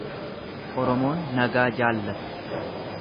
Oromoon nagaa jaallata.